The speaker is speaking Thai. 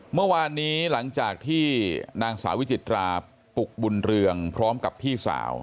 เมื่อวานนี้หลังจากที่นางสาววิจิตราปุกบุญเรืองพร้อมกับพี่สาว